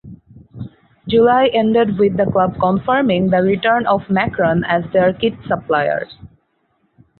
July ended with the club confirming the return of Macron as their kit supplier.